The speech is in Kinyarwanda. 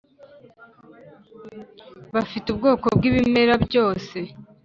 bafite ubwoko bw’ ibimera byose